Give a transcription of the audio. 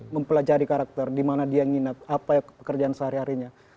mempelajari karakter di mana dia nginap apa pekerjaan sehari harinya